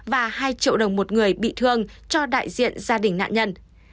và hai triệu đồng một người bị thương cho đại diện gia đình nạn nhân